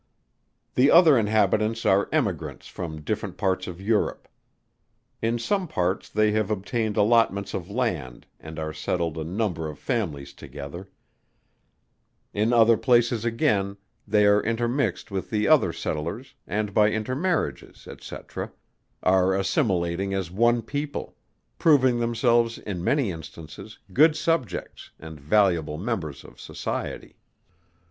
The other inhabitants are emigrants from different parts of Europe. In some parts they have obtained allotments of land and are settled a number of families together, in other places again they are intermixed with the other settlers and by intermarriages, &c. are assimilating as one people: proving themselves in many instances, good subjects, and valuable members of society.